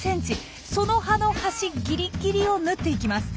その葉の端ギリギリをぬっていきます。